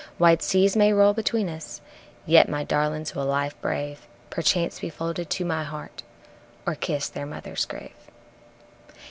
Wide seas may roll between us, yet my darlings will life brave, Perchance be folded to my heart, or kiss their mother's grave.